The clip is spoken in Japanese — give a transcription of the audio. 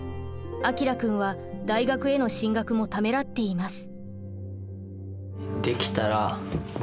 彰くんは大学への進学もためらっています。